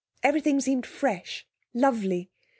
Everything seemed fresh, lovely.